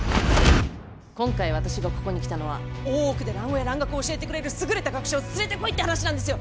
今回私がここに来たのは大奥で蘭語や蘭学を教えてくれる優れた学者を連れてこいって話なんですよ！